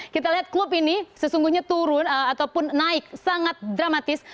kita lihat klub ini sesungguhnya turun ataupun naik sangat dramatis